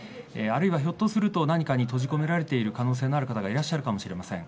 あるいは、ひょっとすると何かに閉じ込められている可能性のある方がいるかもしれません。